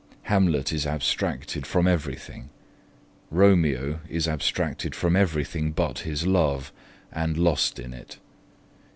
Hamlet is abstracted from everything; Romeo is abstracted from everything but his love, and lost in it.